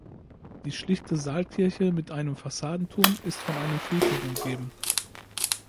Die schlichte Saalkirche mit einem Fassadenturm ist von einem Friedhof umgeben.